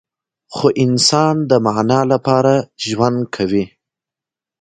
خو انسان د معنی لپاره ژوند کوي.